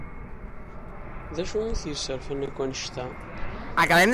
D acu i t-yesserfan akk anect-a?